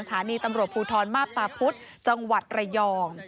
สถานีตำรวจภูทรมาพตาพุธจังหวัดระยอง